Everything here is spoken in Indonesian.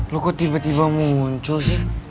lo kok tiba tiba muncul sih